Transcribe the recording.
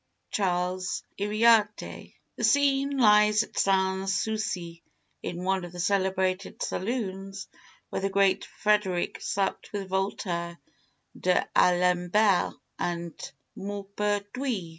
Charles Yriarte: "The scene lies at Sans Souci, in one of the celebrated saloons where the great Frederick supped with Voltaire, d'Alembert and Maupertuis.